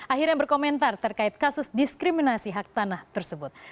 akhirnya berkomentar terkait kasus diskriminasi hak tanah tersebut